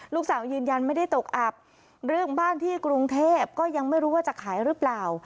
ยืนยันไม่ได้ตกอับเรื่องบ้านที่กรุงเทพก็ยังไม่รู้ว่าจะขายหรือเปล่า